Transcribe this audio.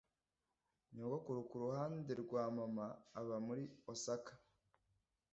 Nyogokuru kuruhande rwa mama aba muri Osaka.